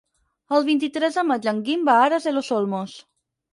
El vint-i-tres de maig en Guim va a Aras de los Olmos.